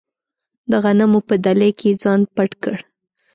د غنمو په دلۍ کې یې ځان پټ کړ.